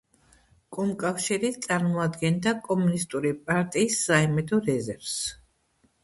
კომკავშირი წარმოადგენდა კომუნისტური პარტიის საიმედო რეზერვს.